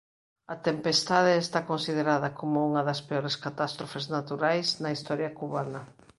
A tempestade está considerada como unha das peores catástrofes naturais na historia cubana.